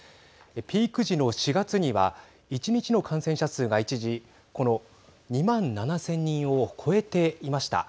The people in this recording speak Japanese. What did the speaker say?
ピーク時の４月には１日の感染者数が一時２万７０００人を超えていました。